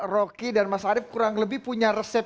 rocky dan mas arief kurang lebih punya resep